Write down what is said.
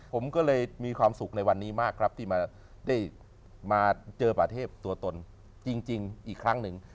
ผมก็เลยมีความสุขในวันนี้มากครับที่มาได้มาเจอป่าเทพตัวตนจริงอีกครั้งหนึ่ง